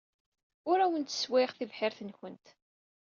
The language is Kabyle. Ur awent-sswayeɣ tibḥirt-nwent.